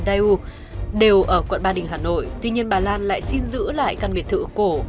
eu đều ở quận ba đình hà nội tuy nhiên bà lan lại xin giữ lại căn biệt thự cổ